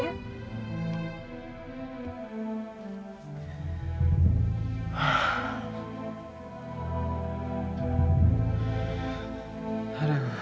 aku mesti ngapain lagi satria